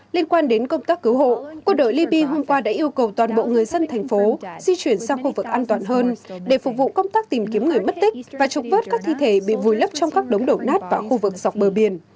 liên quan đến công tác cứu hộ quân đội liby hôm qua đã yêu cầu toàn bộ người dân thành phố di chuyển sang khu vực an toàn hơn để phục vụ công tác tìm kiếm người mất tích và trục vớt các thi thể bị vùi lấp trong các đống đổ nát vào khu vực dọc bờ biển